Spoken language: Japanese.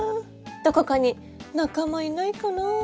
どこかに仲間いないかなぁ」。